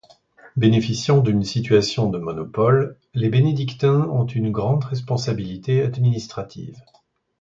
Bénéficiant d’une situation de monopole, les Bénédictins ont une grande responsabilité administrative.